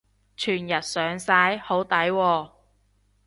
全日上晒？好抵喎